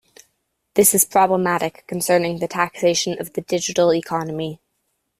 This is problematic concerning the taxation of the Digital Economy.